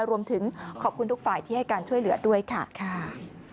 รวมถึงขอบคุณทุกฝ่ายที่ให้การช่วยเหลือด้วยค่ะ